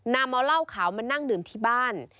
นำเอาเหล้าขาวมานั่งดื่มที่บ้าน